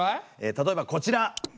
例えばこちら。